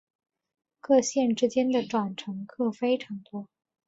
各线之间的转乘客非常多。